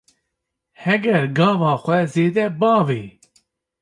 Heger gava xwe zêde bavê